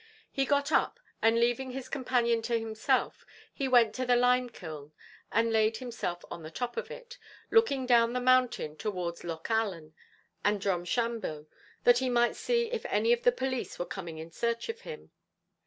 He got up, and leaving his companion to himself, he went to the lime kiln and laid himself on the top of it, looking down the mountain towards Loch Allen and Drumshambo, that he might see if any of the police were coming in search of him.